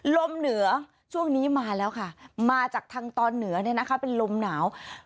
ลมเหนือช่วงนี้มาแล้วค่ะมาจากทางตอนเหนือเนี่ยนะคะเป็นลมหนาว